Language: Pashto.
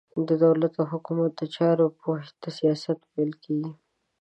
د دولت او حکومت د چارو پوهي ته سياست ويل کېږي.